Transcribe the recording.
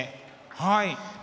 はい。